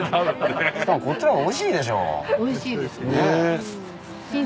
しかもこっちの方がおいしいでしょ。